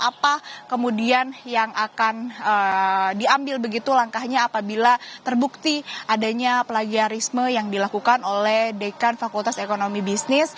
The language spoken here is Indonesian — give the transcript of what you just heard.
apa kemudian yang akan diambil begitu langkahnya apabila terbukti adanya plagiarisme yang dilakukan oleh dekan fakultas ekonomi bisnis